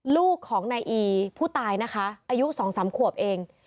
ลูกของนายอีผู้ตายนะคะอายุ๒๓ขวบเอง